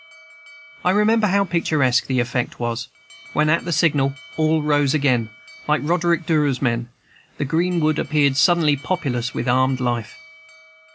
I remember how picturesque the effect was, when, at the signal, all rose again, like Roderick Dhu's men, and the green wood appeared suddenly populous with armed life.